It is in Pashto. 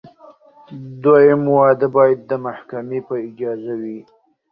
دویم واده باید د محکمې په اجازه وي.